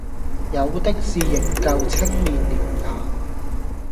有的是仍舊青面獠牙，